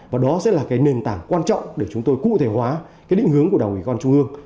và đó sẽ là cái nền tảng quan trọng để chúng tôi cụ thể hóa cái định hướng của đồng ý con trung ương